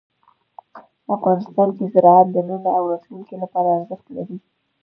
افغانستان کې زراعت د نن او راتلونکي لپاره ارزښت لري.